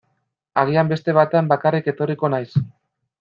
Agian beste batean bakarrik etorriko naiz.